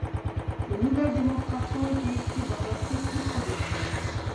Les nouvelles démonstrations ont été écrites dans un style plus prolixe.